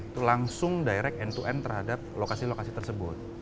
itu langsung direct end to end terhadap lokasi lokasi tersebut